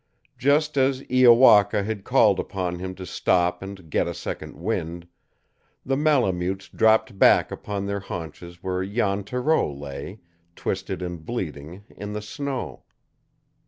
Just as Iowaka had called upon him to stop and get a second wind, the Malemutes dropped back upon their haunches where Jan Thoreau lay, twisted and bleeding, in the snow.